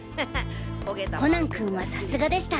コナン君はさすがでした。